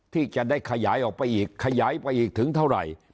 ที่จะได้ขยายออกไปอีกขยายไปอีกถึงเท่าไหร่